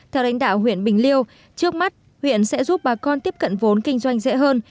theo đánh đạo huyện bình liêu trước mắt huyện sẽ giúp bà con tiếp cận vốn kinh doanh dễ hơn